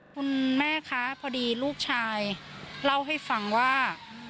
คุณแม่คะพอดีลูกชายเล่าให้ฟังว่า